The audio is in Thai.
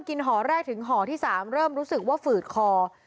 และก็คือว่าถึงแม้วันนี้จะพบรอยเท้าเสียแป้งจริงไหม